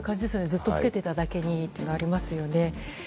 ずっと着けていただけにというのはありますよね。